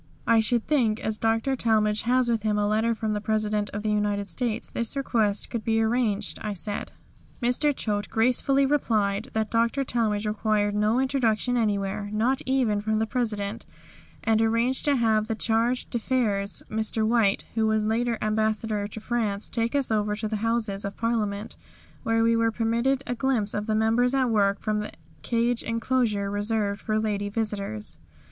"I should think, as Dr. Talmage has with him a letter from the President of the United States, this request could be arranged," I said. Mr. Choate gracefully replied that Dr. Talmage required no introduction anywhere, not even from the President, and arranged to have the Charge d'Affaires, Mr. White, who was later Ambassador to France, take us over to the Houses of Parliament, where we were permitted a glimpse of the Members at work from the cage enclosure reserved for lady visitors.